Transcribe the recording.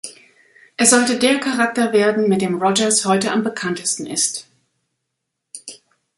Es sollte der Charakter werden, mit dem Rogers heute am bekanntesten ist.